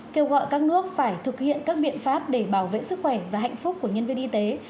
kêu gọi các nước phải thực hiện các biện pháp để bảo vệ sức khỏe và hạnh phúc của nhân viên y tế